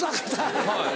はい。